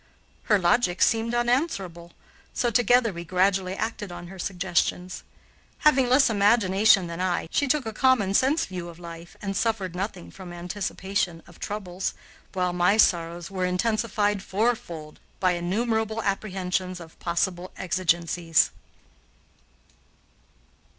Her logic seemed unanswerable, so together we gradually acted on her suggestions. Having less imagination than I, she took a common sense view of life and suffered nothing from anticipation of troubles, while my sorrows were intensified fourfold by innumerable apprehensions of possible exigencies.